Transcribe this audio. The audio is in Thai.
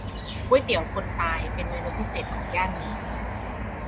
ก๋วยเตี๋ยวคนตาย เป็นเมนูพิเศษของย่านนี้